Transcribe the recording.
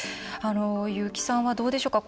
優木さんは、どうでしょうか。